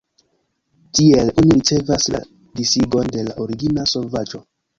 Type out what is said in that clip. Tiel oni ricevas la disigon de la origina solvaĵo.